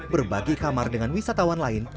berbagi kamar dengan wisatawan lain